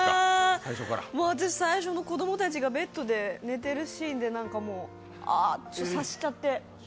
最初の子供たちがベッドで寝てるシーンであって察しちゃって。